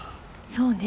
そうね。